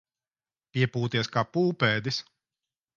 Piepūties kā pūpēdis.